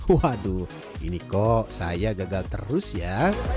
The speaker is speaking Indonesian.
waduh ini kok saya gagal terus ya